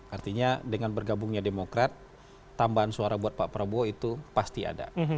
artinya dengan bergabungnya demokrat tambahan suara buat pak prabowo itu pasti ada